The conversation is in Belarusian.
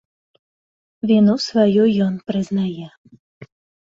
Віну сваю ён прызнае.